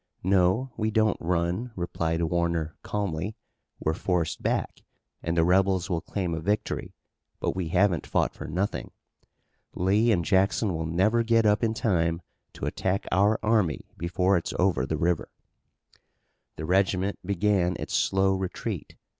"No, we don't run," replied Warner calmly, "We're forced back, and the rebels will claim a victory but we haven't fought for nothing. Lee and Jackson will never get up in time to attack our army before it's over the river." The regiment began its slow retreat.